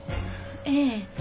ええ。